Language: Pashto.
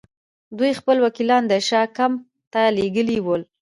دوی خپل وکیلان د شاه کمپ ته لېږلي ول.